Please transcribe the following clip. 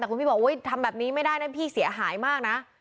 แต่คุณพี่บอกทำแบบนี้ไม่ได้นะพี่เสียหายมากนะ